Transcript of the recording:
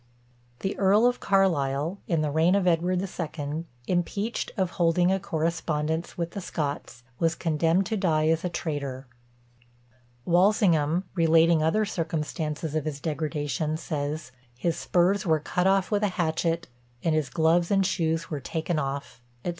The Earl of Carlisle, in the reign of Edward the Second, impeached of holding a correspondence with the Scots, was condemned to die as a traitor. Walsingham, relating other circumstances of his degradation, says, "His spurs were cut off with a hatchet; and his gloves and shoes were taken off," &c.